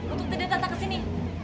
untuk tidak datang kesini